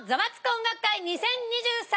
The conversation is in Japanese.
音楽会２０２３」！